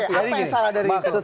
apa yang salah dari